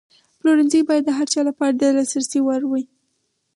پلورنځی باید د هر چا لپاره د لاسرسي وړ وي.